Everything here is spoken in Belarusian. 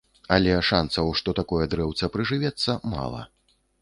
Але шанцаў, што такое дрэўца прыжывецца, мала.